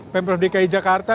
pemprov dki jakarta